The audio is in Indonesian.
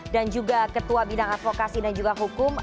dan juga ketua bidang advokasi dan juga hukum